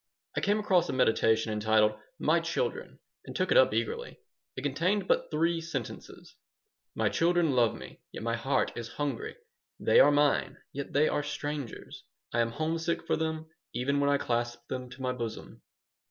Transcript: I came across a "meditation" entitled "My Children," and took it up eagerly. It contained but three sentences: "My children love me, yet my heart is hungry. They are mine, yet they are strangers. I am homesick for them even when I clasp them to my bosom."